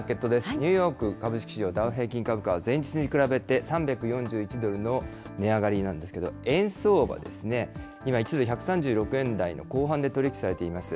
ニューヨーク株式市場、ダウ平均株価は前日に比べて３４１ドルの値上がりなんですけれども、円相場ですね、今１ドル１３６円台の後半で取り引きされています。